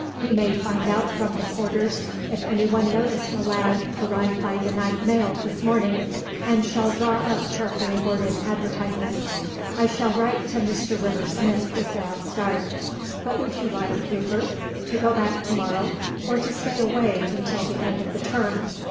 He may find out from the porters if anyone noticed a lad arrive by the night mail this morning, and shall draw up carefully worded advertisements. I shall write to Mr. River Smith before I start. What would you like, Rupert to go back to morrow, or to stay away until the end of the term?